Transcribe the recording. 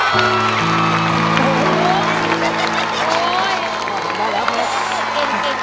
ติ๊กติ๊กติ๊ก